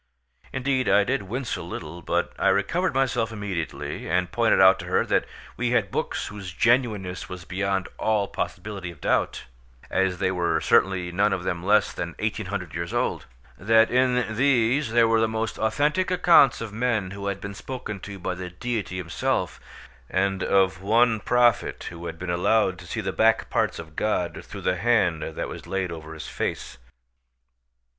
Indeed I did wince a little; but I recovered myself immediately, and pointed out to her that we had books whose genuineness was beyond all possibility of doubt, as they were certainly none of them less than 1800 years old; that in these there were the most authentic accounts of men who had been spoken to by the Deity Himself, and of one prophet who had been allowed to see the back parts of God through the hand that was laid over his face.